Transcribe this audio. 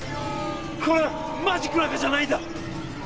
これはマジックなんかじゃないんだ！